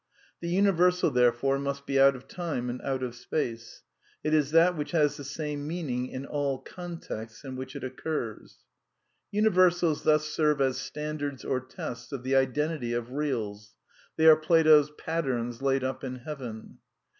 The universal, therefore, must be out of time and out of space. It is that which has the same meaning in all ^\^(mtext8 in which it occurs. Universals thus serve as standards or tests of the iden tity of reaU; they are Plato^s "patterns laid up in heaven.'